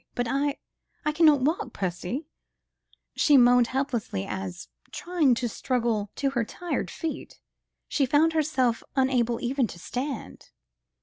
But I ... I cannot walk, Percy," she moaned helplessly as, trying to struggle to her tired feet, she found herself unable even to stand.